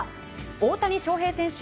大谷翔平選手